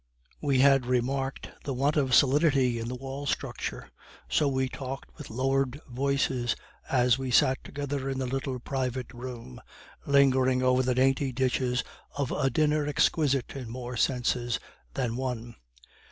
We had remarked the want of solidity in the wall structure, so we talked with lowered voices as we sat together in the little private room, lingering over the dainty dishes of a dinner exquisite in more senses than one.